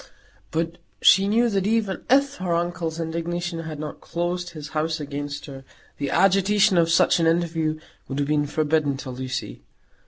But she knew that even if her uncle's indignation had not closed his house against her, the agitation of such an interview would have been forbidden to Lucy.